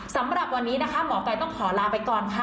สำหรับวันนี้นะคะหมอกัยต้องขอลาไปก่อนค่ะ